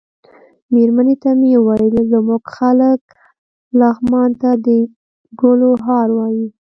مېرمنې ته مې ویل زموږ خلک لغمان ته د ګلو هار وايي.